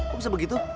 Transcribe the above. kok bisa begitu